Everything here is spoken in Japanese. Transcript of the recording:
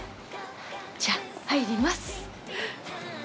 じゃあ、入ります。